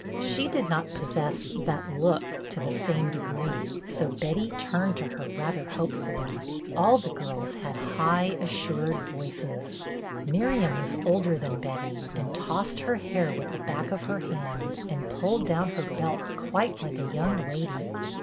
She did not posse.ss " that look " to the same degree, so Betty turned to her rather hopefully. All the girls had high, assured voices. Miriam was older than Betty, and tossed her hair with the back of her hand, and pulled down her belt quite like a young lady.